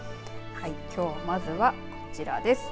きょう、まずはこちらです。